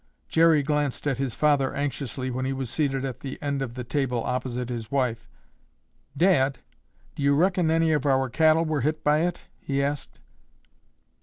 Jerry glanced at his father anxiously when he was seated at the end of the table opposite his wife. "Dad, do you reckon any of our cattle were hit by it?" he asked.